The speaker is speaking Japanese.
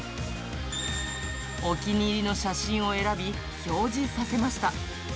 お気に入りの写真を選び、表示させました。